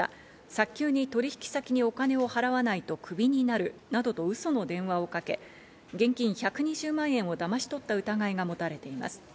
早急に取引先にお金を払わないとクビになるなどとウソの電話をかけ、現金１２０万円をだまし取った疑いが持たれています。